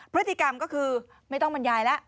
พฤติกรรมก็คือไม่ต้องบรรยายแล้ว